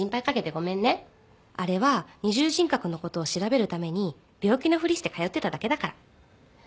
あれは二重人格のことを調べるために病気のふりして通ってただけだから。